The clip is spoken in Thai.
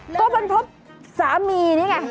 ก็เพราะสามีนี่ไง